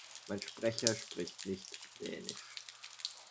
Mein Sprecher spricht nicht Dänisch.